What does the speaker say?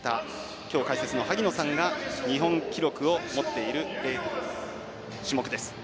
今日、解説の萩野さんが日本記録を持っている種目です。